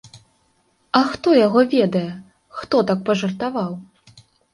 А хто яго ведае, хто так паджартаваў.